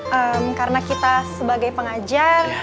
hmm karena kita sebagai pengajar